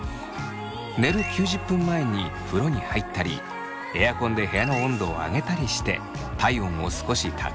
寝る９０分前に風呂に入ったりエアコンで部屋の温度を上げたりして体温を少し高めに。